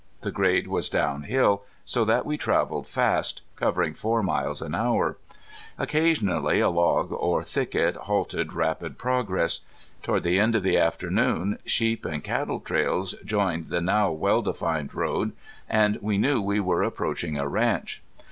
The grade was down hill, so that we traveled fast, covering four miles an hour. Occasionally a log or thicket halted rapid progress. Toward the end of the afternoon sheep and cattle trails joined the now well defined road, and we knew we were approaching a ranch.